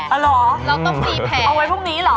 เอาไว้พรุ่งนี้เหรอ